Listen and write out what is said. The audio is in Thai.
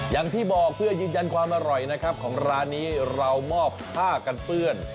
อย่างที่บอกเพื่อยืนยันความอร่อยนะครับของร้านนี้เรามอบผ้ากันเปื้อน